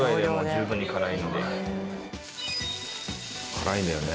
辛いんだよね